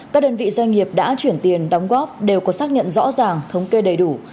các đơn vị doanh nghiệp đã chuyển tiền đóng góp đều có xác nhận rõ ràng thống kê đầy đủ